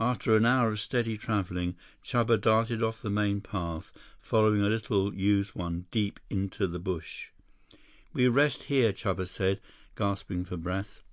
After an hour of steady traveling, Chuba darted off the main path, following a little used one deep into the bush. "We rest here," Chuba said, gasping for breath.